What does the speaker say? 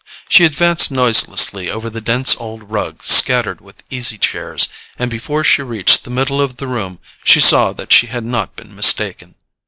She advanced noiselessly over the dense old rug scattered with easy chairs, and before she reached the middle of the room she saw that she had not been mistaken.